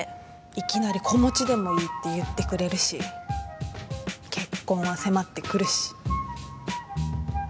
いきなり「子持ちでもいい」って言ってくれるし結婚は迫って来るし。